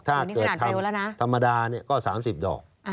ถ้าเกิดเทาธรรมดาก็๓๐ดอก